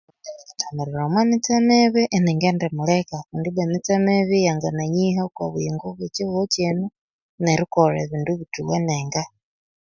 Erithamirira omumitse mibi iningendi buleka kundi ba emitse mibi yangananyiha kobuyingo bwekihokino nerikolha ebindu bithewenenga